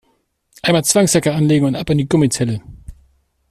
Einmal Zwangsjacke anlegen und dann ab in die Gummizelle!